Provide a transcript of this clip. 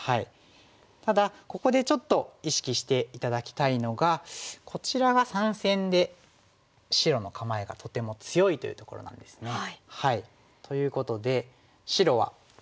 ただここでちょっと意識して頂きたいのがこちらが三線で白の構えがとても強いというところなんですね。ということで白はこのように。